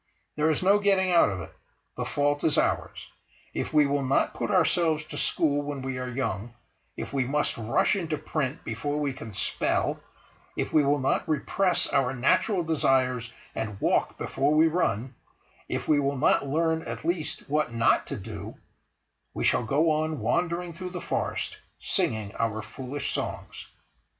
There is no getting out of it; the fault is ours. If we will not put ourselves to school when we are young; if we must rush into print before we can spell; if we will not repress our natural desires and walk before we run; if we will not learn at least what not to do—we shall go on wandering through the forest, singing our foolish songs.